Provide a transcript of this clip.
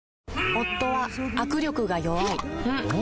夫は握力が弱い